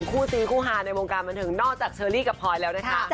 คู่ซีคู่ฮาในวงการบันเทิงนอกจากเชอรี่กับพลอยแล้วนะคะ